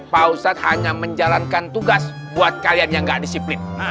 pak ustadz hanya menjalankan tugas buat kalian yang gak disiplin